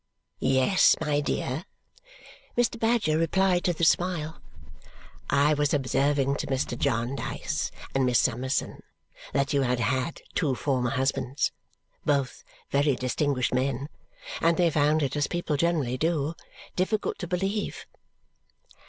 "Yes, my dear!" Mr. Badger replied to the smile, "I was observing to Mr. Jarndyce and Miss Summerson that you had had two former husbands both very distinguished men. And they found it, as people generally do, difficult to believe."